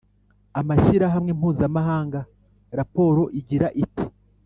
amashyirahamwe mpuzamahanga, raporo igira iti